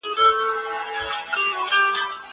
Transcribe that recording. زه به سبا موسيقي اورم!